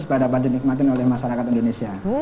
supaya dapat dinikmatin oleh masyarakat indonesia